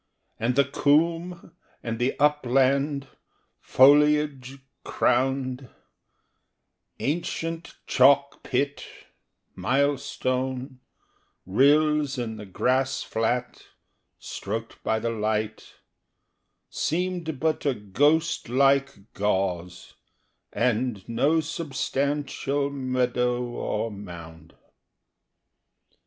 And the coomb and the upland Foliage crowned, Ancient chalk pit, milestone, rills in the grass flat Stroked by the light, Seemed but a ghost like gauze, and no substantial Meadow or mound.